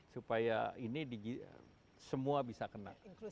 supaya ini semua bisa kena